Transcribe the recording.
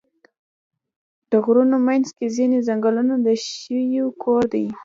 د غرونو منځ کې ځینې ځنګلونه د ژویو کور وي.